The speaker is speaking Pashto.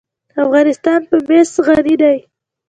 افغانستان په مس غني دی.